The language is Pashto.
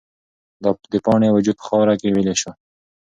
د پاڼې وجود په خاوره کې ویلې شو.